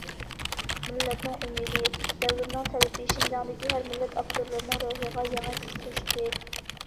مىللەتنىڭ ئۈمىدى، دەۋرنىڭ تەلىپى شىنجاڭدىكى ھەر مىللەت ئاپتورلىرىنىڭ روھىغا يېڭى كۈچ قوشتى.